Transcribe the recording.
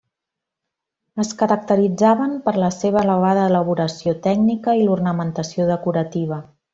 Es caracteritzaven per la seva elevada elaboració tècnica i l'ornamentació decorativa.